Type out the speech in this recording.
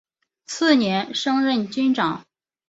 次年升任军长。